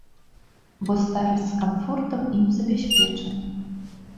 Бо старасць з камфортам ім забяспечана.